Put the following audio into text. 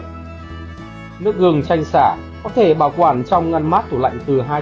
bước năm nước gừng chanh xả có thể bảo quản trong ngăn mát tủ lạnh từ hai ba ngày